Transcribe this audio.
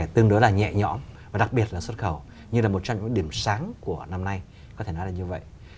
tương đối là nhẹ nhõm và đặc biệt là xuất khẩu như là một trong những điểm sáng của năm nay có thể nói là như vậy